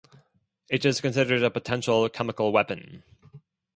It is considered a potential chemical weapon.